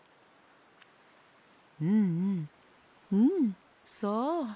うんうんうんそう。